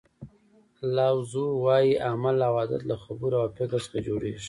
لاو زو وایي عمل او عادت له خبرو او فکر څخه جوړیږي.